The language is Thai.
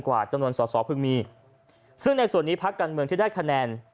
กว่าจำนวนสอสอเพิ่งมีซึ่งในส่วนนี้พักการเมืองที่ได้คะแนน